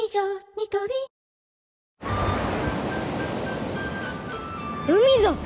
ニトリ海ぞ！